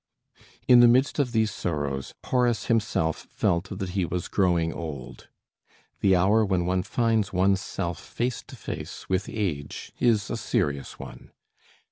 In the midst of these sorrows, Horace himself felt that he was growing old. The hour when one finds one's self face to face with age is a serious one.